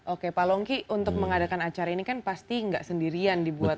oke pak longki untuk mengadakan acara ini kan pasti nggak sendirian dibuat